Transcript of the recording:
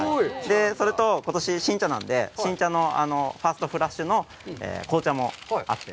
ことし、新茶なので、新茶のファーストスラッシュの紅茶もあって。